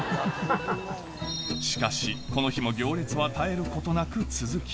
しかし、この日も行列は絶えることなく続き。